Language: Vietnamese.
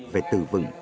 về từ vừng